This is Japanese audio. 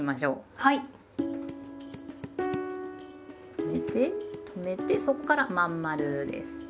止めて止めてそこから真ん丸です。